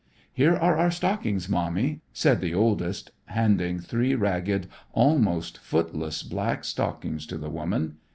"Here are our stockings, Mommy," said the oldest, handing three ragged, almost footless, black stockings to the woman.